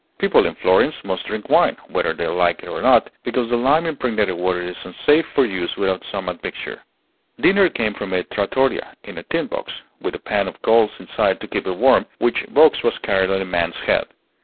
People in Florence must drink wine, whether they like it or not, because the lime impregnated water is unsafe for use without some admixture. Dinner came from a trattoria, in a tin box, with a pan of coals inside to keep it warm, which box was carried on a man's head.